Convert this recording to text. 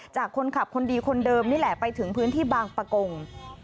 จากคนขับคนดีคนเดิมนี่แหละไปถึงพื้นที่บางประกง